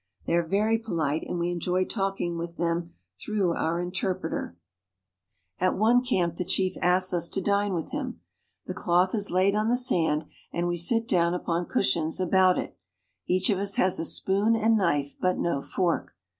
They are very polite, and we enjoy talking with them through our interpreter. 74 AFRICA At one camp the chief asks us to dine with him. The cloth is laid on the sand, and we sit down upon cushions about it. Each of us has a spoon and knife, but no fork.